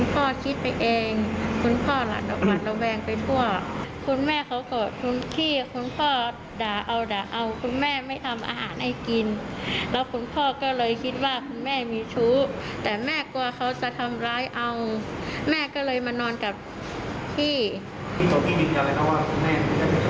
มีอะไรนะว่าคุณแม่ไม่ได้เป็นชาวบ้านยืนยันของคุณ